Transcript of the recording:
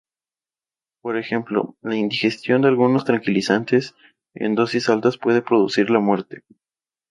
Por ejemplo, la indigestión de algunos tranquilizantes en dosis altas puede producir la muerte.